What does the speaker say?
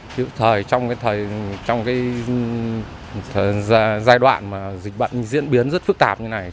kịp thời trong giai đoạn mà dịch bệnh diễn biến rất phức tạp như này